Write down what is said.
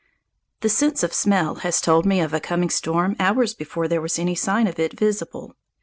The sense of smell has told me of a coming storm hours before there was any sign of it visible.